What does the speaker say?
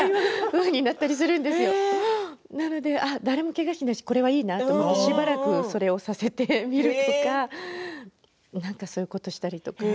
ふうになったりするんですけれど誰もけがをしないしこれはいいなと思ってしばらく、それをさせてみるとかそういうことをしたりとか。